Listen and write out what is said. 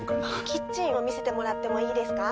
キッチンを見せてもらってもいいですか？